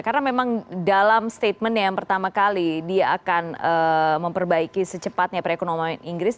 karena memang dalam statementnya yang pertama kali dia akan memperbaiki secepatnya perekonomian inggris